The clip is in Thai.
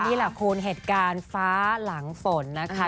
นี่แหละคุณเหตุการณ์ฟ้าหลังฝนนะคะ